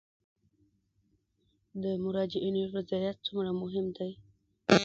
د مراجعینو رضایت څومره مهم دی؟